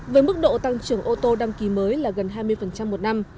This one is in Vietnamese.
với mức độ tăng trưởng ô tô đăng ký mới là gần hai mươi một năm